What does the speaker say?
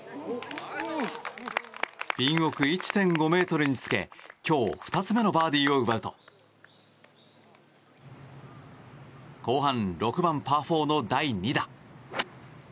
ピン奥１．５ｍにつけ今日２つ目のバーディーを奪うと後半、６番、パー４の第２打。